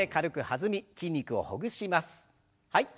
はい。